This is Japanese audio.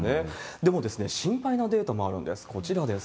でも、心配なデータもあるんです。